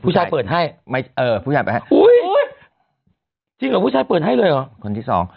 สิทธิ์อาวุธที่จะเปิดให้เลยเหรอ